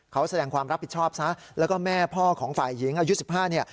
เขาแสดงความรับผิดชอบซะแล้วก็แม่พ่อของฝ่ายหญิงอายุ๑๕เนี่ย